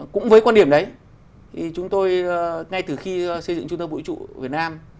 cũng với quan điểm đấy thì chúng tôi ngay từ khi xây dựng trung tâm vũ trụ việt nam